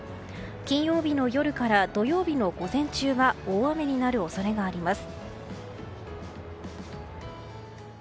金曜日の夜から土曜日の午前中は大雨になる恐れがあります。